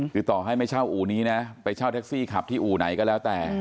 คือต่อให้ไม่เช่าอู่นี้นะไปเช่าแท็กซี่ขับที่อู่ไหนก็แล้วแต่